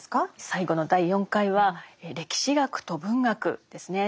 最後の第４回は歴史学と文学ですね。